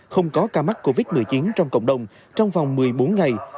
không có ca mắc covid một mươi chín trong cộng đồng trong vòng một mươi bốn ngày